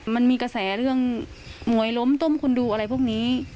มันมีกระแสเรื่องมวยล้มต้มคนดูอะไรพวกนี้